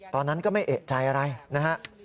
ตอนนั้นก็ไม่เอกใจอะไรนะฮะ